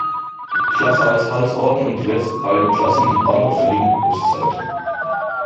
Klasse als Halsorden und die letzten beiden Klassen am Band auf der linken Brustseite.